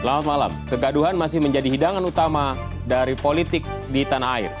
selamat malam kegaduhan masih menjadi hidangan utama dari politik di tanah air